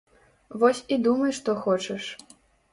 Вось і думай што хочаш!